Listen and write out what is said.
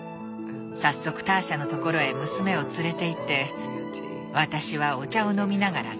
早速ターシャのところへ娘を連れていって私はお茶を飲みながら見学。